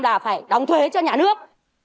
là phải đóng thuế cho nhà nước